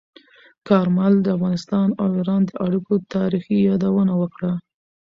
کارمل د افغانستان او ایران د اړیکو تاریخي یادونه وکړه.